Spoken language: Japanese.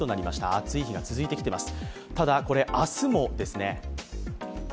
暑い日が続いてきています。